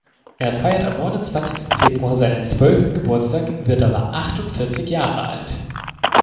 Er feiert am neunundzwanzigsten Februar seinen zwölften Geburtstag, wird aber achtundvierzig Jahre alt.